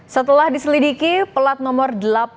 setelah diselidiki pelat nomor delapan empat tiga tiga tujuh